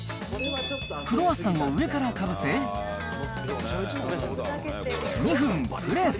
クロワッサンを上からかぶせ、２分プレス。